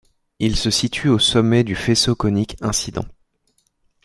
Il se situe au sommet du faisceau conique incident.